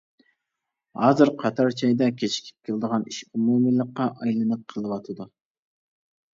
ھازىر قاتار چايدا كېچىكىپ كېلىدىغان ئىش ئومۇمىيلىققا ئايلىنىپ قېلىۋاتىدۇ.